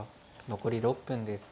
残り６分です。